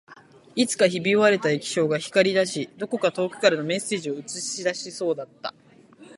いつかひび割れた液晶が光り出し、どこか遠くからのメッセージを映し出しそうだった